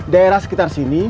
daerah sekitar sini